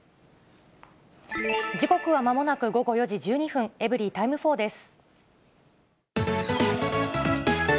時刻はまもなく午後４時１２分、エブリィタイム４です。